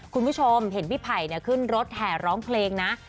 คุณผู้ชมเห็นพี่ไผ่ขึ้นรถแห่ร้องเพลงนะ